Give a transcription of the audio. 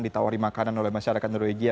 ditawari makanan oleh masyarakat norwegia